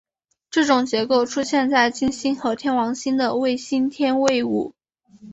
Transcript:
这种结构出现在金星和天王星的卫星天卫五。